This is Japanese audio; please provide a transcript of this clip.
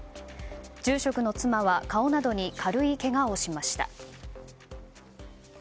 住職の妻は顔などに軽いけがをしました。